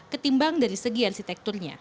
ketimbang dari segi arsitekturnya